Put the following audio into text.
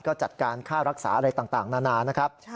ก็จัดการค่ารักษาอะไรต่างนานานะครับ